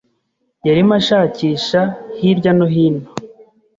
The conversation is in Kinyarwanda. yarimo ashakisha hirya no hino.